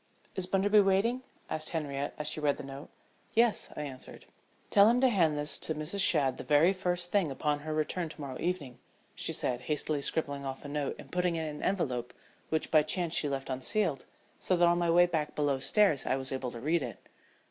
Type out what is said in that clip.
"Is Bunderby waiting?" asked Henriette as she read the note. "Yes," I answered. "Tell him to hand this to Mrs. Shadd the very first thing upon her return to morrow evening," she said, hastily scribbling off a note and putting it in an envelope, which by chance she left unsealed, so that on my way back below stairs I was able to read it.